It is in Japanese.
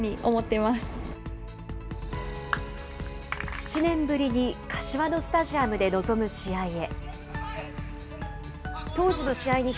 ７年ぶりに柏のスタジアムで臨む試合へ。